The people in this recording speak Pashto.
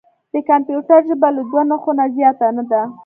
د کمپیوټر ژبه له دوه نښو نه زیاته نه ده.